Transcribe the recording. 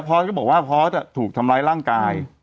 พอสก็บอกว่าพอสถูกทำร้ายร่างกาย